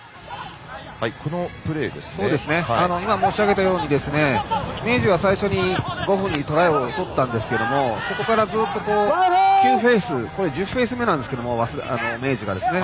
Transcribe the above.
今、申し上げたように明治は最初に５分にトライを取ったんですけどそこからずっと、９フェーズこれは１０フェーズ目なんですけど明治がですね